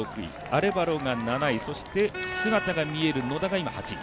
アレバロが７位そして姿が見える野田が８位。